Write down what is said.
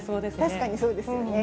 確かにそうですよね。